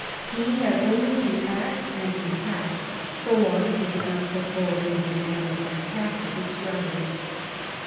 He had only to ask and to have, so long as he did not put forward any demand of fantastic extravagance.